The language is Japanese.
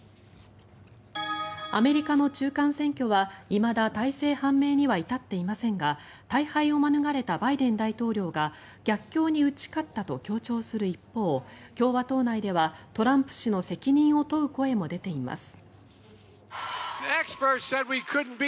アメリカの中間選挙はいまだ大勢判明には至っていませんが大敗を免れたバイデン大統領が逆境に打ち勝ったと強調する一方共和党内ではトランプ氏の責任を問う声も出ています。